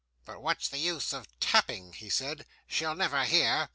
'But what's the use of tapping?' he said, 'She'll never hear.